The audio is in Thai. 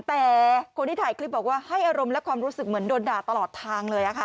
แต่คนที่ถ่ายคลิปบอกว่าให้อารมณ์และความรู้สึกเหมือนโดนด่าตลอดทางเลย